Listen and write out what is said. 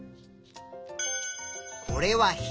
これは光。